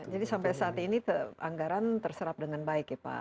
jadi sampai saat ini anggaran terserap dengan baik ya pak